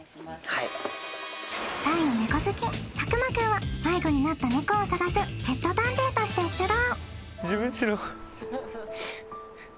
はい大のネコ好き佐久間くんは迷子になったネコを捜すペット探偵として出動！